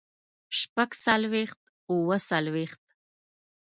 شپږ څلوېښت اووه څلوېښت